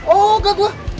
oh enggak gue